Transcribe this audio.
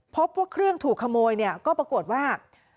เพราะพวกเครื่องถูกขโมยก็ปรากฏว่า